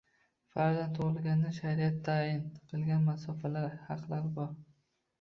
Farzand tug‘ilganda shariat tayin qilgan masofalarda haqlar bor